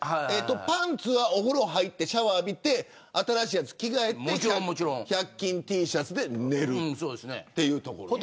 パンツはお風呂に入って、シャワー浴びて新しいやつに着替えて百均Ｔシャツで寝るそうですね。